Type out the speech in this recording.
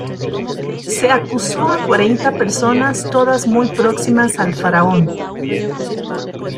Se acusó a cuarenta personas, todas muy próximas al faraón.